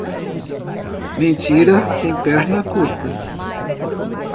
Mentira tem perna curta.